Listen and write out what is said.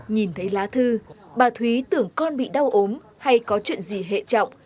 nhìn thấy lá thư bà thúy tưởng con bị đau ốm hay có chuyện gì hệ trọng